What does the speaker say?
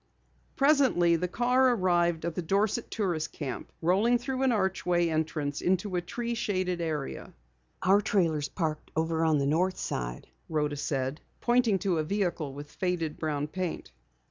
Presently, the car arrived at the Dorset Tourist Camp, rolling through an archway entrance into a tree shaded area. "Our trailer is parked over at the north side," Rhoda said, pointing to a vehicle with faded brown paint.